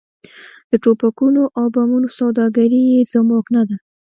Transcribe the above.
د ټوپکونو او بمونو سوداګري یې زموږ نه ده.